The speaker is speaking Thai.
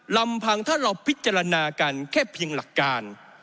ลำพังถ้าเราพิจารณากันแค่เพียงหลักการ